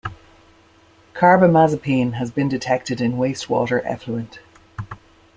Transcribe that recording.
Carbamazepine has been detected in wastewater effluent.